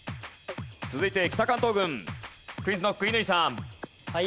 続いて北関東軍クイズノック乾さん。